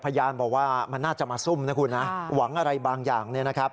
พยานบอกว่ามันน่าจะมาซุ่มนะคุณหวังอะไรบางอย่าง